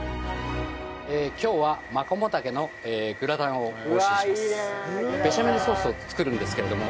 今日はマコモダケのグラタンをお教えします。